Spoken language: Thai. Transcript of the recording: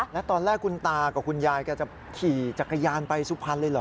แล้วตอนแรกคุณตากับคุณยายแกจะขี่จักรยานไปสุพรรณเลยเหรอ